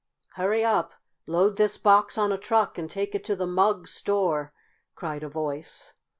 "Hurry up! Load this box on a truck and take it to the Mugg store!" cried a voice.